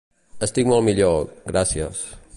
Estic molt millor, gràcies.